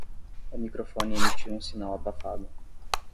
O microfone emitiu um sinal abafado.